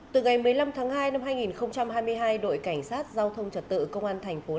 từ ngày một mươi năm tháng hai năm hai nghìn hai mươi hai đội cảnh sát giao thông trật tự công an thành phố